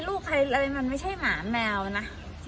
ลูกใครอะไรมันไม่ใช่หมาแมวนะ